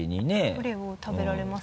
どれを食べられます？